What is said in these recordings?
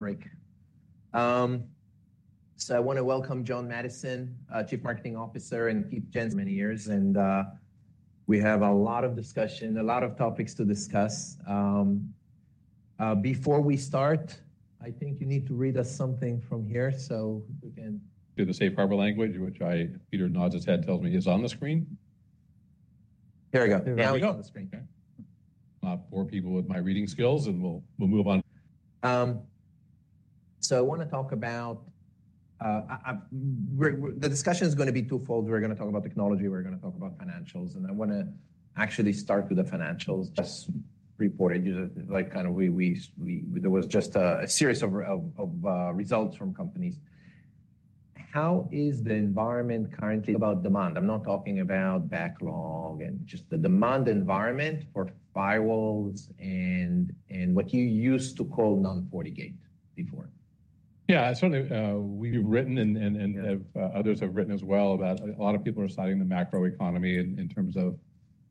Great. So I want to welcome John Maddison, Chief Marketing Officer and Keith Jensen many years, and we have a lot of discussion, a lot of topics to discuss. Before we start, I think you need to read us something from here so we can- Do the Safe Harbor language, which I, Peter nods his head, tells me is on the screen? Here we go. There we go. Now it's on the screen. Okay. Bore people with my reading skills, and we'll, we'll move on. So I wanna talk about, the discussion is gonna be twofold. We're gonna talk about technology, we're gonna talk about financials, and I wanna actually start with the financials. Just reported, you know, like kind of there was just a series of results from companies. How is the environment currently about demand? I'm not talking about backlog and just the demand environment for firewalls and what you used to call Non-FortiGate before. Yeah, certainly, we've written and others have written as well, about a lot of people are citing the macroeconomy in terms of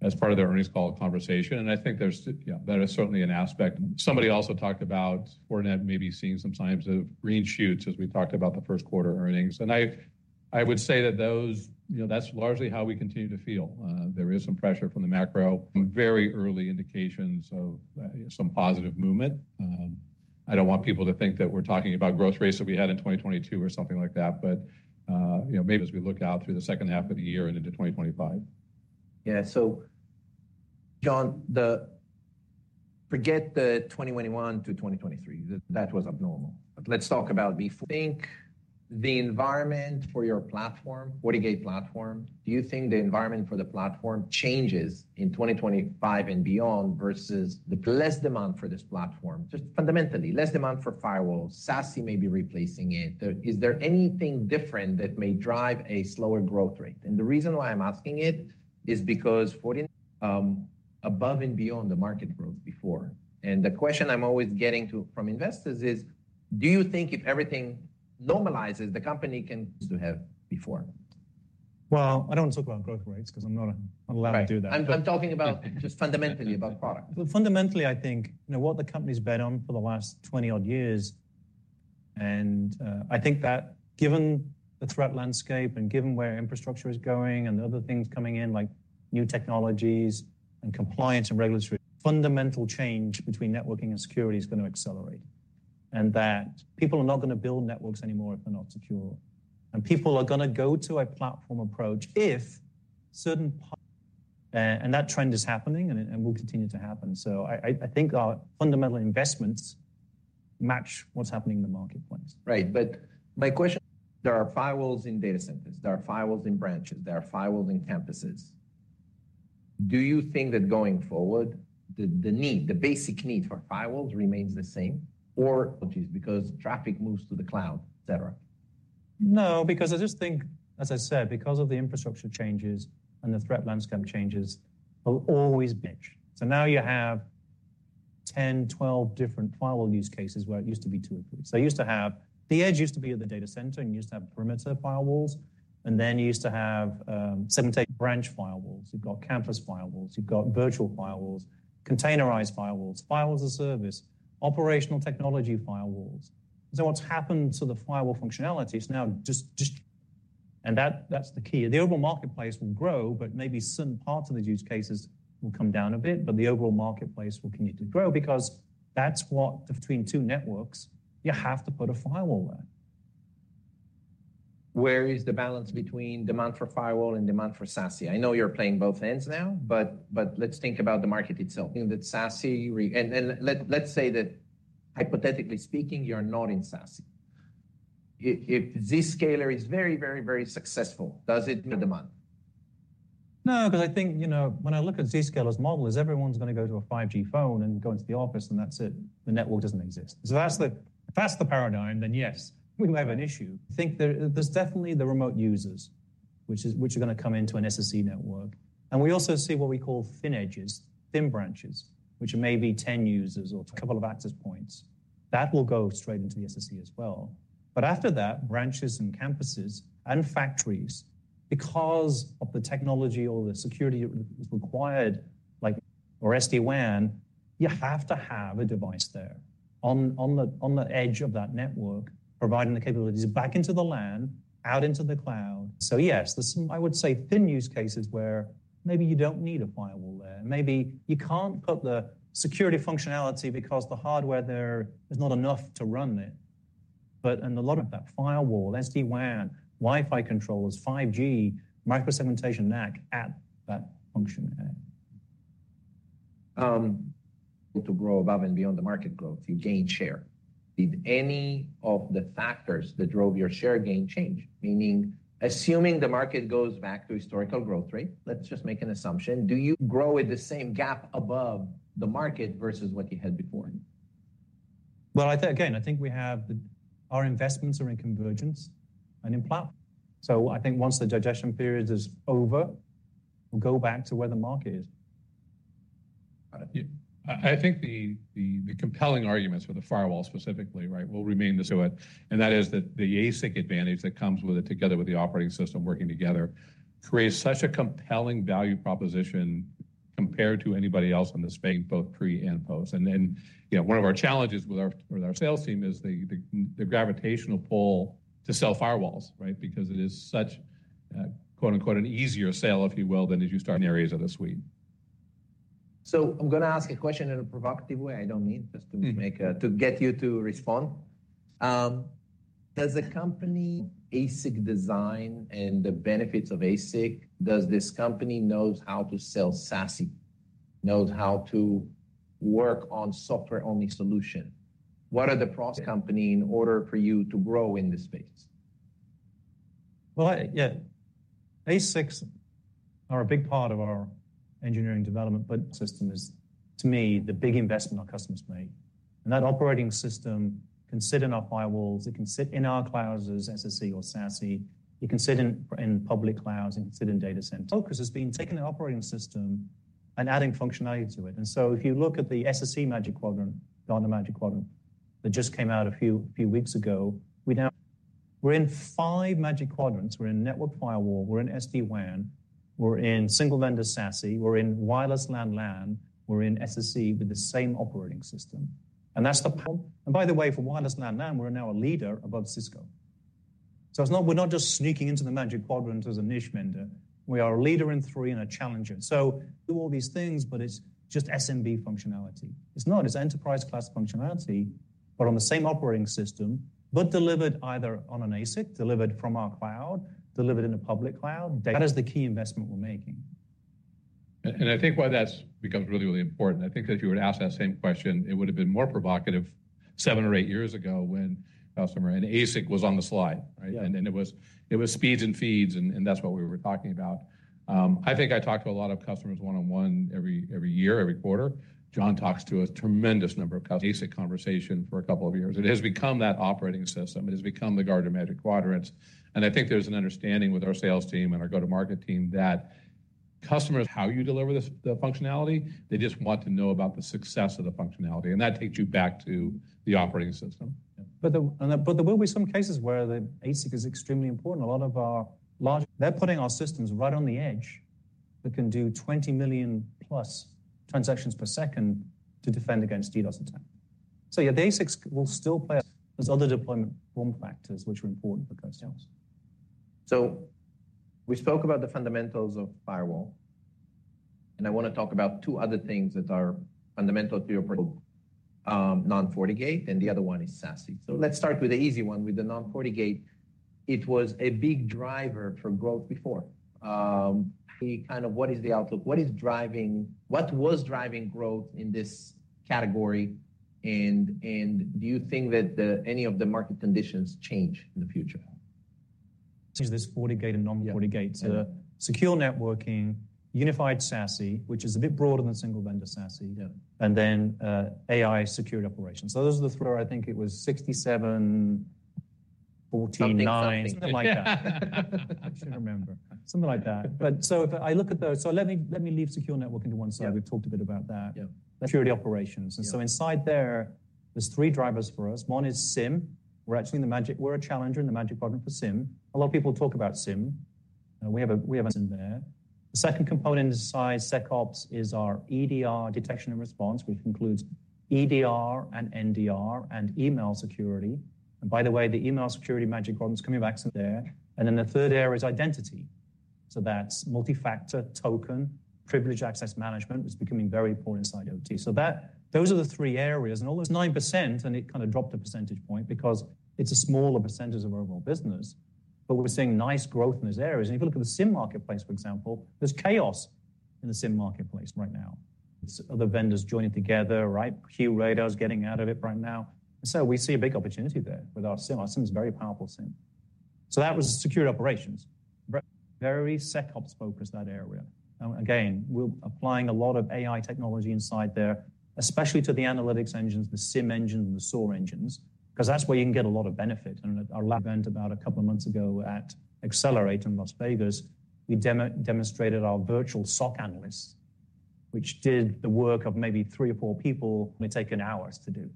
as part of their earnings call conversation. And I think there's, yeah, that is certainly an aspect. Somebody also talked about Fortinet maybe seeing some signs of green shoots as we talked about the first quarter earnings. And I would say that those, you know, that's largely how we continue to feel. There is some pressure from the macro, very early indications of some positive movement. I don't want people to think that we're talking about growth rates that we had in 2022 or something like that, but, you know, maybe as we look out through the second half of the year and into 2025. Yeah. So John, forget the 2021 to 2023. That was abnormal. But let's talk about before. Think the environment for your platform, FortiGate platform, do you think the environment for the platform changes in 2025 and beyond versus the less demand for this platform? Just fundamentally, less demand for firewalls, SASE may be replacing it. Is there anything different that may drive a slower growth rate? And the reason why I'm asking it is because Fortinet, above and beyond the market growth before. And the question I'm always getting to, from investors is: do you think if everything normalizes, the company can still have before? Well, I don't want to talk about growth rates 'cause I'm not allowed to do that. I'm talking about just fundamentally about product. Fundamentally, I think, you know, what the company's been on for the last 20-odd years, and I think that given the threat landscape and given where infrastructure is going and the other things coming in, like new technologies and compliance and regulatory, fundamental change between networking and security is gonna accelerate, and that people are not gonna build networks anymore if they're not secure. And people are gonna go to a platform approach if certain parts... And that trend is happening and will continue to happen. So I think our fundamental investments match what's happening in the marketplace. Right. But my question, there are firewalls in data centers, there are firewalls in branches, there are firewalls in campuses. Do you think that going forward, the, the need, the basic need for firewalls remains the same, or because traffic moves to the cloud, etc? No, because I just think, as I said, because of the infrastructure changes and the threat landscape changes, will always bend. So now you have 10, 12 different firewall use cases where it used to be 2 or 3. So you used to have... The edge used to be at the data center, and you used to have perimeter firewalls, and then you used to have, seven, eight branch firewalls. You've got campus firewalls, you've got virtual firewalls, containerized firewalls, firewalls as a service, operational technology firewalls. So what's happened to the firewall functionality, it's now just, just, and that, that's the key. The overall marketplace will grow, but maybe certain parts of the use cases will come down a bit, but the overall marketplace will continue to grow because that's what between two networks, you have to put a firewall there. Where is the balance between demand for firewall and demand for SASE? I know you're playing both ends now, but let's think about the market itself. You know that SASE, and let's say that hypothetically speaking, you're not in SASE. If Zscaler is very successful, does it do demand? No, 'cause I think, you know, when I look at Zscaler's model, is everyone's gonna go to a 5G phone and go into the office, and that's it, the network doesn't exist. So if that's the, if that's the paradigm, then yes, we have an issue. Think there, there's definitely the remote users, which is, which are gonna come into an SSE network. And we also see what we call thin edges, thin branches, which may be 10 users or a couple of access points. That will go straight into the SSE as well. But after that, branches and campuses and factories, because of the technology or the security required, like or SD-WAN, you have to have a device there on, on the, on the edge of that network, providing the capabilities back into the LAN, out into the cloud. So yes, there's some, I would say, thin use cases where maybe you don't need a firewall there. Maybe you can't put the security functionality because the hardware there is not enough to run it. But and a lot of that firewall, SD-WAN, Wi-Fi controllers, 5G, micro-segmentation, NAC add that function there. To grow above and beyond the market growth, you gain share. Did any of the factors that drove your share gain change? Meaning, assuming the market goes back to historical growth rate, let's just make an assumption, do you grow at the same gap above the market versus what you had before? Well, I think, again, I think we have our investments are in convergence and in platform. So I think once the digestion period is over, we'll go back to where the market is. I think the compelling arguments for the firewall specifically, right, will remain the same. And that is that the ASIC advantage that comes with it, together with the operating system working together, creates such a compelling value proposition compared to anybody else in the space, both pre and post. And then, you know, one of our challenges with our sales team is the gravitational pull to sell firewalls, right? Because it is such a, quote-unquote, "an easier sale," if you will, than if you start in areas of the suite. So I'm going to ask a question in a provocative way. I don't mean just to make a to get you to respond. Does the company ASIC design and the benefits of ASIC, does this company knows how to sell SASE, knows how to work on software-only solution? What are the pros company in order for you to grow in this space? Well, I, yeah, ASICs are a big part of our engineering development, but system is, to me, the big investment our customers make. And that operating system can sit in our firewalls, it can sit in our clouds as SSE or SASE, it can sit in public clouds, it can sit in data centers. Focus has been taking the operating system and adding functionality to it. And so if you look at the SSE Magic Quadrant, Gartner Magic Quadrant, that just came out a few weeks ago, we now... We're in five Magic Quadrants. We're in Network Firewall, we're in SD-WAN, we're in Single-Vendor SASE, we're in Wireless LAN, WAN, we're in SSE with the same operating system. And that's the power. And by the way, for Wireless LAN, WAN, we're now a Leader above Cisco. So it's not, we're not just sneaking into the Magic Quadrant as a niche vendor. We are a Leader in three and a Challenger. So do all these things, but it's just SMB functionality. It's not, it's enterprise-class functionality, but on the same operating system, but delivered either on an ASIC, delivered from our cloud, delivered in a public cloud. That is the key investment we're making. I think why that's become really, really important. I think if you were to ask that same question, it would have been more provocative seven or eight years ago when custom and ASIC was on the slide, right? Yeah. It was speeds and feeds, and that's what we were talking about. I think I talked to a lot of customers one-on-one every year, every quarter. John talks to a tremendous number of customers. ASIC conversation for a couple of years. It has become that operating system. It has become the Gartner Magic Quadrants. I think there's an understanding with our sales team and our go-to-market team that customers, how you deliver the functionality, they just want to know about the success of the functionality, and that takes you back to the operating system. Yeah. But there will be some cases where the ASIC is extremely important. A lot of our large... They're putting our systems right on the edge that can do 20 million+ transactions per second to defend against DDoS attack. So yeah, the ASICs will still play. There's other deployment form factors which are important for customers. So we spoke about the fundamentals of firewall, and I want to talk about two other things that are fundamental to your product, Non-FortiGate, and the other one is SASE. So let's start with the easy one, with the Non-FortiGate. It was a big driver for growth before. Kind of what is the outlook? What is driving—what was driving growth in this category, and, and do you think that the, any of the market conditions change in the future? Since this FortiGate and Non-FortiGate- Yeah... so Secure Networking, Unified SASE, which is a bit broader than Single-Vendor SASE. Yeah. And then, AI Security Operations. So those are the three. I think it was 67, 14, 9. Something, something. Something like that. I should remember. Something like that. But so if I look at those, so let me, let me leave Secure Networking to one side. Yeah. We've talked a bit about that. Yeah. Security Operations. Yeah. And so inside there, there's three drivers for us. One is SIEM. We're actually in the Magic Quadrant. We're a Challenger in the Magic Quadrant for SIEM. A lot of people talk about SIEM. We have a, we have a SIEM there. The second component inside SecOps is our EDR, detection and response, which includes EDR and NDR and Email Security. And by the way, the Email Security Magic Quadrant is coming back there. And then the third area is identity. So that's multifactor, token, Privileged Access Management, which is becoming very important inside OT. So that, those are the three areas, and all those 9%, and it kind of dropped a percentage point because it's a smaller percentage of our overall business, but we're seeing nice growth in these areas. And if you look at the SIEM marketplace, for example, there's chaos in the SIEM marketplace right now. It's other vendors joining together, right? QRadar is getting out of it right now. So we see a big opportunity there with our SIEM. Our SIEM is a very powerful SIEM. So that was the Security Operations. Very SecOps focused, that area. Again, we're applying a lot of AI technology inside there, especially to the analytics engines, the SIEM engine, and the SOAR engines, because that's where you can get a lot of benefit. And at our lab event about a couple of months ago at Accelerate in Las Vegas, we demonstrated our virtual SOC analysts, which did the work of maybe three or four people, might take hours to do.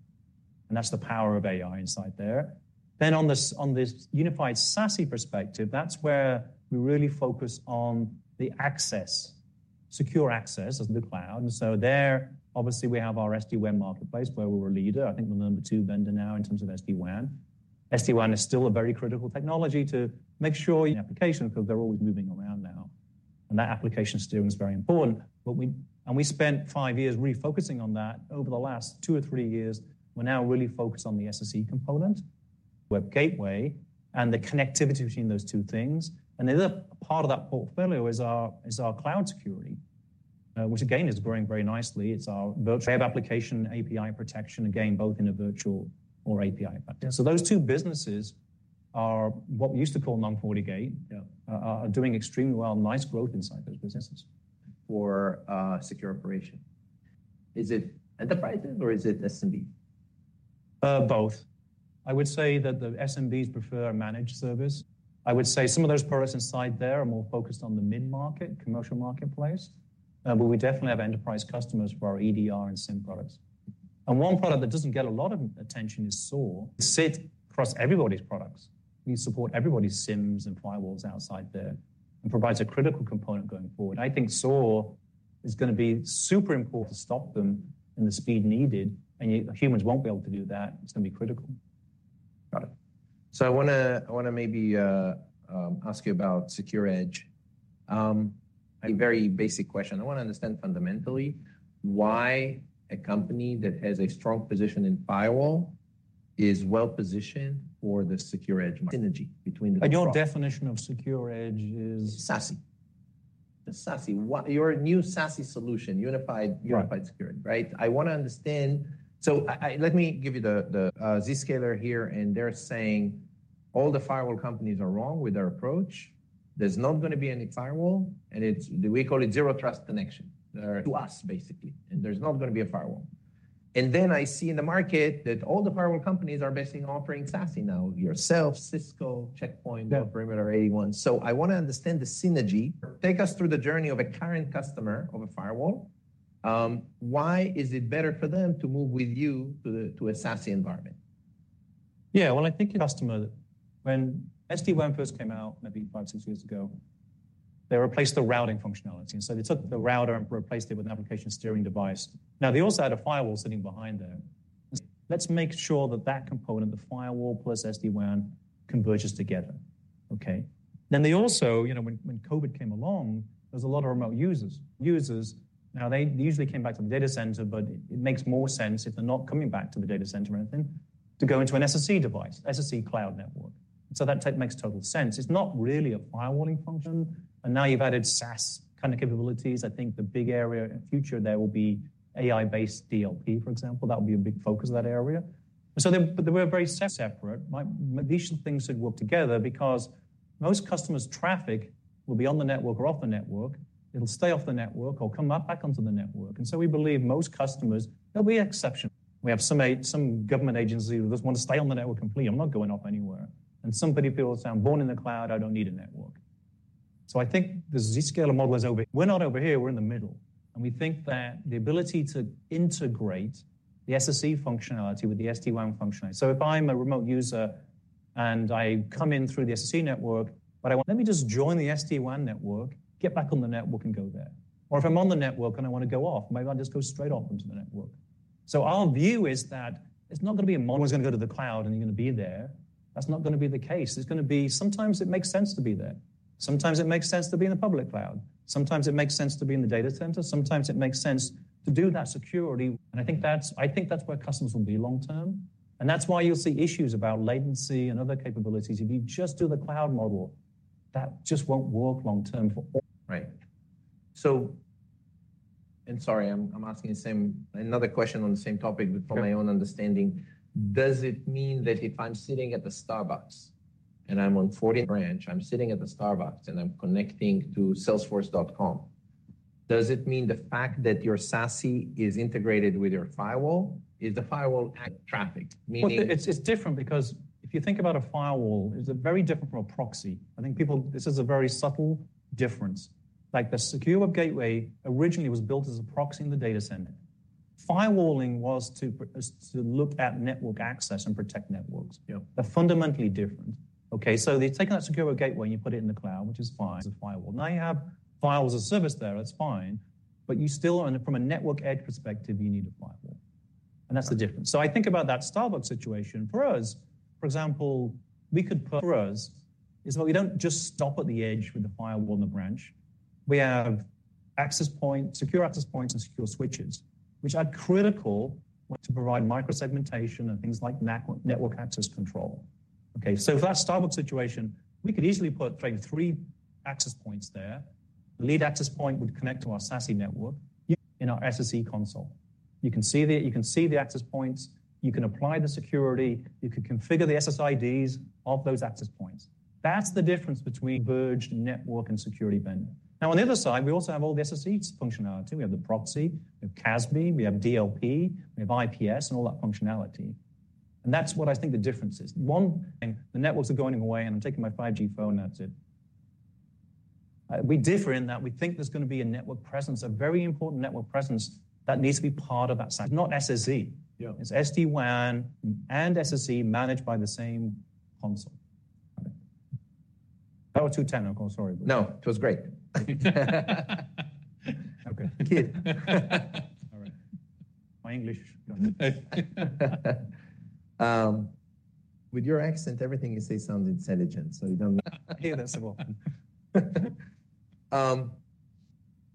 And that's the power of AI inside there. Then on this, on this unified SASE perspective, that's where we really focus on the access, secure access of the cloud. And so there, obviously, we have our SD-WAN marketplace, where we're a Leader. I think we're number two vendor now in terms of SD-WAN. SD-WAN is still a very critical technology to make sure your application, because they're always moving around now, and that application steering is very important. But we spent five years refocusing on that. Over the last two or three years, we're now really focused on the SSE component, web gateway, and the connectivity between those two things. And the other part of that portfolio is our cloud security, which again, is growing very nicely. It's our virtual application, API protection, again, both in a virtual or API platform. So those two businesses are what we used to call Non-FortiGate. Yeah. Are doing extremely well, nice growth inside those businesses. For secure operation. Is it enterprise or is it SMB? Both. I would say that the SMBs prefer a managed service. I would say some of those products inside there are more focused on the mid-market, commercial marketplace, but we definitely have enterprise customers for our EDR and SIEM products. One product that doesn't get a lot of attention is SOAR. It sits across everybody's products. We support everybody's SIEMs and firewalls outside there, and provides a critical component going forward. I think SOAR is gonna be super important to stop them in the speed needed, and humans won't be able to do that. It's gonna be critical. Got it. So I wanna maybe ask you about Secure Edge. A very basic question. I wanna understand fundamentally why a company that has a strong position in firewall is well-positioned for the secure edge synergy between the two. Your definition of secure edge is? SASE. The SASE, what... Your new SASE solution, unified- Right. Unified security, right? I wanna understand. So I let me give you the Zscaler here, and they're saying, all the firewall companies are wrong with their approach. There's not gonna be any firewall, and it's, we call it Zero Trust connection, to us, basically, and there's not gonna be a firewall. And then I see in the market that all the firewall companies are basically offering SASE now, yourself, Cisco, Check Point- Yeah... Perimeter 81. So I wanna understand the synergy. Take us through the journey of a current customer of a firewall. Why is it better for them to move with you to a SASE environment? Yeah, well, I think customer, when SD-WAN first came out, maybe 5, 6 years ago, they replaced the routing functionality. And so they took the router and replaced it with an application steering device. Now, they also had a firewall sitting behind there. Let's make sure that that component, the firewall plus SD-WAN, converges together, okay? Then they also, you know, when, when COVID came along, there was a lot of remote users. Users, now, they usually came back to the data center, but it makes more sense if they're not coming back to the data center or anything, to go into an SSE device, SSE cloud network. So that tech makes total sense. It's not really a firewalling function, and now you've added SaaS kind of capabilities. I think the big area in future there will be AI-based DLP, for example. That would be a big focus of that area. But they were very separate. These things should work together because most customers' traffic will be on the network or off the network. It'll stay off the network or come back onto the network. And so we believe most customers, there'll be exception. We have some government agencies who just wanna stay on the network completely. "I'm not going off anywhere." And some people say, "I'm born in the cloud, I don't need a network." So I think the Zscaler model is over... We're not over here, we're in the middle, and we think that the ability to integrate the SSE functionality with the SD-WAN functionality. So if I'm a remote user and I come in through the SSE network, but I want, let me just join the SD-WAN network, get back on the network and go there. Or if I'm on the network and I wanna go off, maybe I'll just go straight off into the network. So our view is that it's not gonna be a model. Everyone's gonna go to the cloud, and you're gonna be there. That's not gonna be the case. It's gonna be, sometimes it makes sense to be there. Sometimes it makes sense to be in the public cloud. Sometimes it makes sense to be in the data center. Sometimes it makes sense to do that security, and I think that's, I think that's where customers will be long term. And that's why you'll see issues about latency and other capabilities. If you just do the cloud model, that just won't work long term for all. Right. So, and sorry, I'm asking the same, another question on the same topic, but for my own understanding. Sure. Does it mean that if I'm sitting at the Starbucks and I'm on FortiBranch, I'm sitting at the Starbucks and I'm connecting to Salesforce.com, does it mean the fact that your SASE is integrated with your firewall, is the firewall at traffic? Meaning- Well, it's different because if you think about a firewall, it's very different from a proxy. I think people, this is a very subtle difference. Like, the secure web gateway originally was built as a proxy in the data center. Firewalling was to look at network access and protect networks. Yep. They're fundamentally different. Okay, so they've taken that secure web gateway, and you put it in the cloud, which is fine, it's a firewall. Now, you have firewall as a service there, that's fine, but you still, from a network edge perspective, you need a firewall. And that's the difference. So I think about that Starbucks situation. For us, for example, we could put... For us, is that we don't just stop at the edge with the firewall on the branch. We have access point, secure access points, and secure switches, which are critical to provide micro-segmentation and things like NAC, network access control. Okay, so for that Starbucks situation, we could easily put, like, three access points there. Lead access point would connect to our SASE network. In our SSE console, you can see the, you can see the access points, you can apply the security, you can configure the SSIDs of those access points. That's the difference between merged network and security vendor. Now, on the other side, we also have all the SSE functionality. We have the proxy, we have CASB, we have DLP, we have IPS and all that functionality. And that's what I think the difference is. One, the networks are going away, and I'm taking my 5G phone, that's it. We differ in that we think there's gonna be a network presence, a very important network presence, that needs to be part of that set. It's not SSE- Yeah... It's SD-WAN and SSE managed by the same console. Got it. That was too technical, sorry. No, it was great. Okay. Keith. All right. My English. With your accent, everything you say sounds intelligent, so you don't... Thank you, that's well.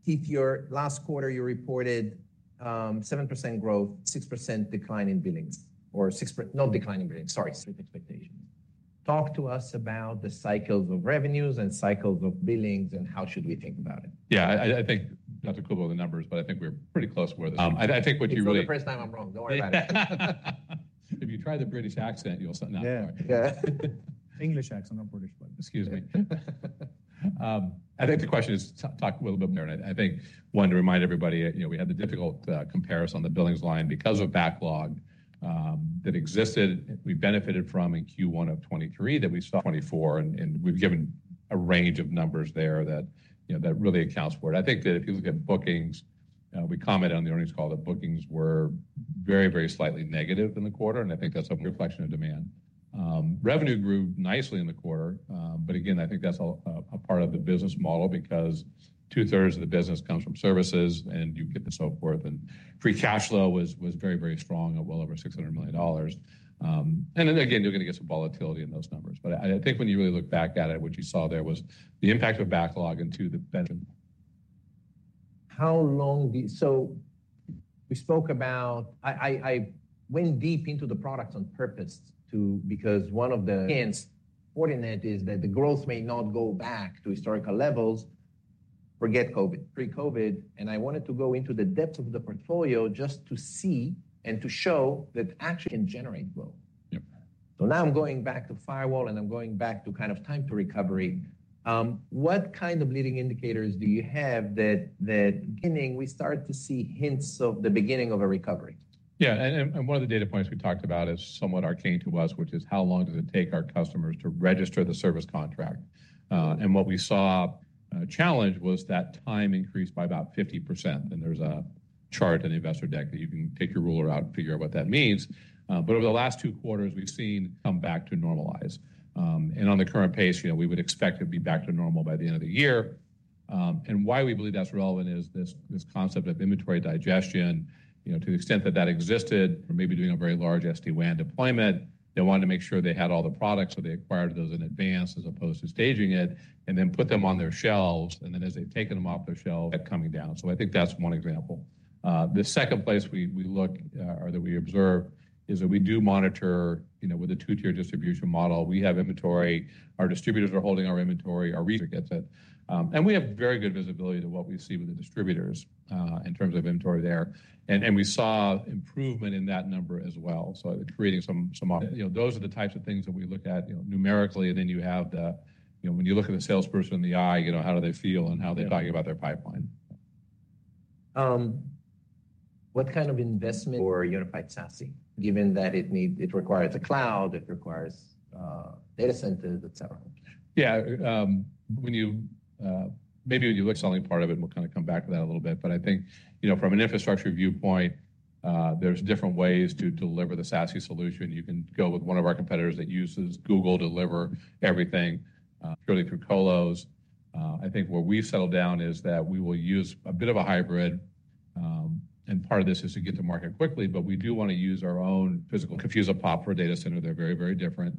Keith, your last quarter, you reported 7% growth, 6% decline in billings, or 6%, not decline in billings, sorry, expectations. Talk to us about the cycles of revenues and cycles of billings and how should we think about it? Yeah, I think Dr. Xie go over the numbers, but I think we're pretty close with this. I think what you really- It's the first time I'm wrong. Don't worry about it. If you try the British accent, you'll something out. Yeah. Yeah. English accent, not British, but... Excuse me. I think the question is to talk a little bit more, and I think one, to remind everybody, you know, we had the difficult comparison on the billings line because of backlog.... that existed, we benefited from in Q1 of 2023 that we saw 2024, and we've given a range of numbers there that, you know, that really accounts for it. I think that if you look at bookings, we commented on the earnings call that bookings were very, very slightly negative in the quarter, and I think that's a reflection of demand. Revenue grew nicely in the quarter, but again, I think that's a part of the business model because two-thirds of the business comes from services, and so forth, and free cash flow was very, very strong at well over $600 million. And then again, you're gonna get some volatility in those numbers, but I think when you really look back at it, what you saw there was the impact of backlog into the revenue. So we spoke about—I went deep into the products on purpose to, because one of the hints coordinate is that the growth may not go back to historical levels. Forget COVID, pre-COVID, and I wanted to go into the depths of the portfolio just to see and to show that actually can generate growth. Yep. So now I'm going back to firewall, and I'm going back to kind of time to recovery. What kind of leading indicators do you have that beginning, we start to see hints of the beginning of a recovery? Yeah, and, and, and one of the data points we talked about is somewhat arcane to us, which is how long does it take our customers to register the service contract? And what we saw, challenge was that time increased by about 50%, and there's a chart in the investor deck that you can take your ruler out and figure out what that means. But over the last two quarters, we've seen come back to normalize. And on the current pace, you know, we would expect it to be back to normal by the end of the year. And why we believe that's relevant is this, this concept of inventory digestion, you know, to the extent that that existed, or maybe doing a very large SD-WAN deployment. They wanted to make sure they had all the products, so they acquired those in advance as opposed to staging it, and then put them on their shelves, and then as they've taken them off their shelves, that coming down. So I think that's one example. The second place we look, or that we observe, is that we do monitor, you know, with a two-tier distribution model. We have inventory. Our distributors are holding our inventory, our resellers get it, and we have very good visibility to what we see with the distributors, in terms of inventory there. We saw improvement in that number as well. You know, those are the types of things that we look at, you know, numerically, and then you have the, you know, when you look at the salesperson in the eye, you know, how do they feel, and how are they talking about their pipeline? What kind of investment for Unified SASE, given that it requires a cloud, it requires data centers, et cetera? Yeah, when you, maybe when you look at the selling part of it, and we'll kind of come back to that a little bit, but I think, you know, from an infrastructure viewpoint, there's different ways to deliver the SASE solution. You can go with one of our competitors that uses Google to deliver everything, purely through colos. I think where we've settled down is that we will use a bit of a hybrid, and part of this is to get to market quickly, but we do want to use our own physical FortiSASE POP for a data center. They're very, very different.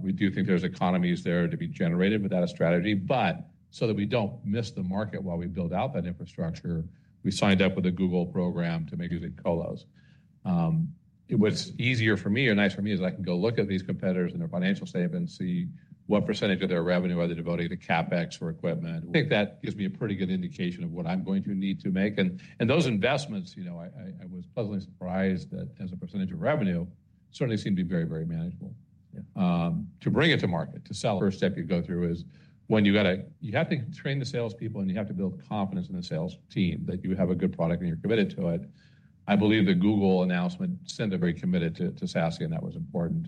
We do think there's economies there to be generated with that strategy, but so that we don't miss the market while we build out that infrastructure, we signed up with a Google program to make use of colos. What's easier for me or nice for me is I can go look at these competitors and their financial statement and see what percentage of their revenue are they devoting to CapEx or equipment. I think that gives me a pretty good indication of what I'm going to need to make, and those investments, you know, I was pleasantly surprised that as a percentage of revenue, certainly seem to be very, very manageable. Yeah. To bring it to market, to sell it- first step you go through is when you got to... You have to train the salespeople, and you have to build confidence in the sales team that you have a good product and you're committed to it. I believe the Google announcement sent a very committed to SASE, and that was important.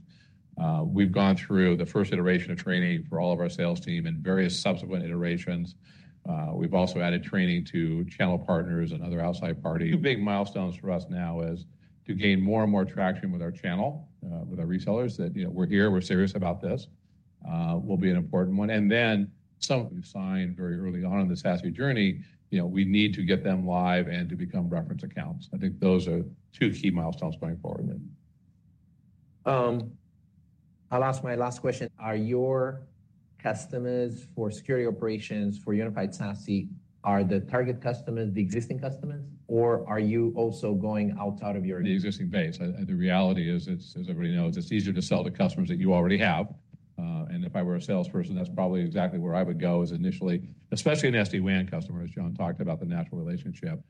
We've gone through the first iteration of training for all of our sales team and various subsequent iterations. We've also added training to channel partners and other outside parties. Two big milestones for us now is to gain more and more traction with our channel, with our resellers, that, you know, we're here, we're serious about this, will be an important one. And then some we've signed very early on in the SASE journey, you know, we need to get them live and to become reference accounts. I think those are two key milestones going forward then. I'll ask my last question. Are your customers for Security Operations, for Unified SASE, are the target customers the existing customers, or are you also going outside of your- The existing base? The reality is it's, as everybody knows, it's easier to sell to customers that you already have, and if I were a salesperson, that's probably exactly where I would go is initially, especially in SD-WAN customers, John talked about the natural relationship.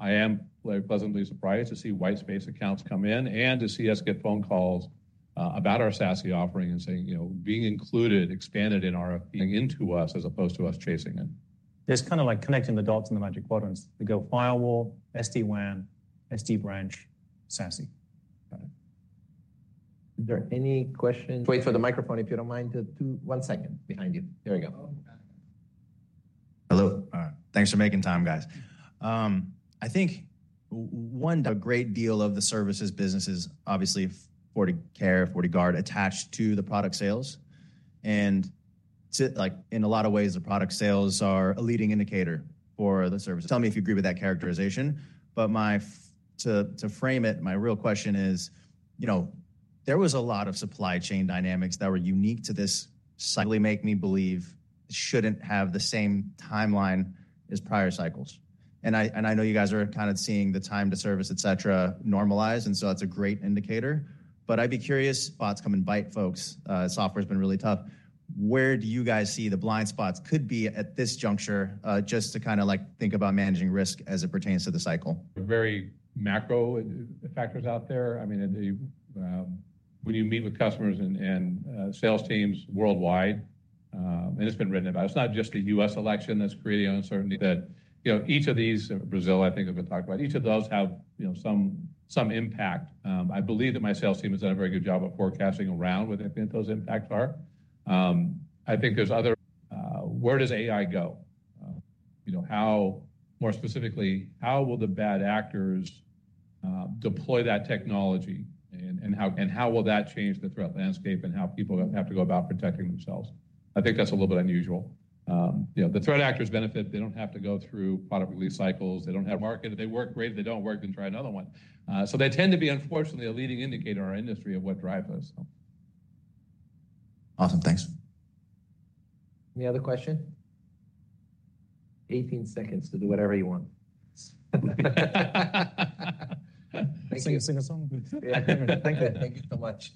I am very pleasantly surprised to see whitespace accounts come in and to see us get phone calls, about our SASE offering and saying, you know, being included, expanded in RFP into us as opposed to us chasing it. It's kind of like connecting the dots in the Magic Quadrants. We go firewall, SD-WAN, SD-Branch, SASE. Got it. Is there any questions? Wait for the microphone, if you don't mind. Two, one second. Behind you. There we go. Hello. Thanks for making time, guys. I think one, a great deal of the services business is obviously FortiCare, FortiGuard, attached to the product sales, and so, like, in a lot of ways, the product sales are a leading indicator for the service. Tell me if you agree with that characterization, but to frame it, my real question is, you know, there was a lot of supply chain dynamics that were unique to this cycle, really make me believe shouldn't have the same timeline as prior cycles. And I know you guys are kind of seeing the time to service, et cetera, normalize, and so that's a great indicator. But I'd be curious, spots come and bite, folks. Software's been really tough. Where do you guys see the blind spots could be at this juncture, just to kinda like, think about managing risk as it pertains to the cycle? Very macro factors out there. I mean, when you meet with customers and sales teams worldwide, and it's been written about, it's not just the U.S. election that's creating uncertainty, that, you know, each of these, Brazil, I think, have been talked about. Each of those have, you know, some impact. I believe that my sales team has done a very good job of forecasting around what I think those impacts are. I think there's other... Where does AI go? You know, how, more specifically, how will the bad actors deploy that technology, and how will that change the threat landscape and how people have to go about protecting themselves? I think that's a little bit unusual. You know, the threat actors benefit. They don't have to go through product release cycles. They don't have market. If they work great, if they don't work, then try another one. So they tend to be, unfortunately, a leading indicator in our industry of what drives us. Awesome. Thanks. Any other question? 18 seconds to do whatever you want. Sing, sing a song? Yeah. Thank you. Thank you so much.